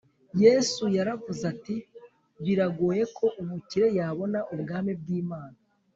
yesu yaravuze ati biragoye ko umukire yabona ubwami bw’imana